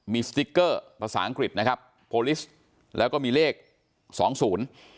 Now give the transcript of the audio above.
มีสติ๊กเกอร์ภาษาอังกฤษนะครับโพลิสแล้วก็มีเลขสองศูนย์